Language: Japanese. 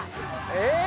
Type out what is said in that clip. えっ！